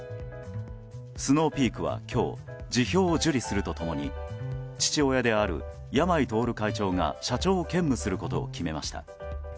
スノーピークは今日、辞表を受理すると共に父親である山井太会長が社長を兼務することを決めました。